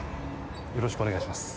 よろしくお願いします。